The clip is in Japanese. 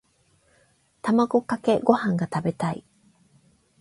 卵かけご飯が食べたい。